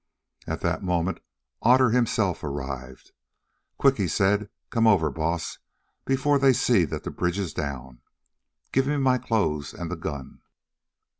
At that moment Otter himself arrived. "Quick," he said, "come over, Baas, before they see that the bridge is down. Give me my clothes and the gun."